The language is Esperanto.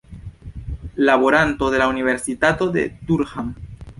Laboranto de la Universitato de Durham.